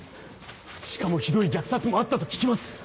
しかもひどい虐殺もあったと聞きます。